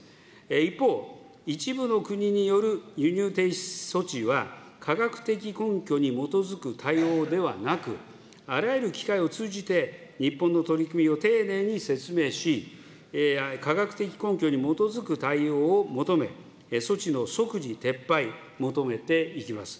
一方、一部の国による輸入停止措置は、科学的根拠に基づく対応ではなく、あらゆる機会を通じて、日本の取り組みを丁寧に説明し、科学的根拠に基づく対応を求め、措置の即時撤廃、求めていきます。